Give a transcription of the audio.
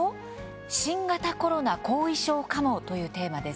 新型コロナ後遺症かも」というテーマです。